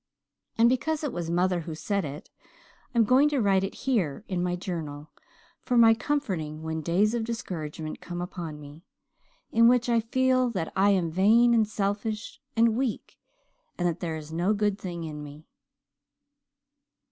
And because it was mother who said it I'm going to write it here in my journal, for my comforting when days of discouragement come upon me, in which I feel that I am vain and selfish and weak and that there is no good thing in me.